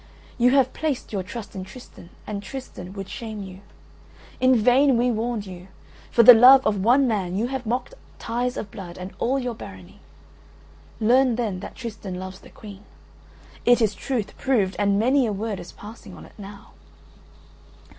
You have placed your trust in Tristan and Tristan would shame you. In vain we warned you. For the love of one man you have mocked ties of blood and all your Barony. Learn then that Tristan loves the Queen; it is truth proved and many a word is passing on it now."